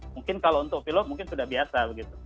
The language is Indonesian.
mungkin kalau untuk pilot mungkin sudah biasa